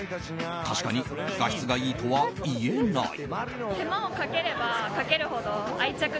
確かに、画質がいいとは言えない。